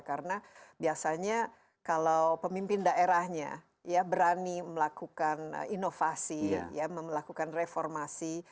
karena biasanya kalau pemimpin daerahnya berani melakukan inovasi melakukan reformasi